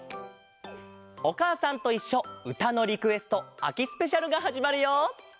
「おかあさんといっしょうたのリクエストあきスペシャル」がはじまるよ！